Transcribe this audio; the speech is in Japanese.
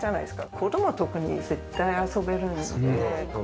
子供は特に絶対遊べるので。